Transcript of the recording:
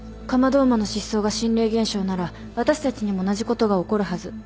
カマドウマの失踪が心霊現象なら私たちにも同じことが起こるはず。